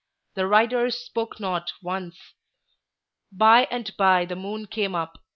The riders spoke not once. By and by the moon came up.